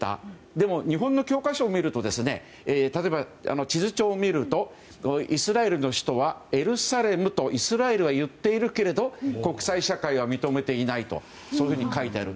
だけど日本の教科書を見ると例えば、地図帳を見るとイスラエルの首都はエルサレムとイスラエルは言っているけれど国際社会は認めていないとそういうふうに書いてある。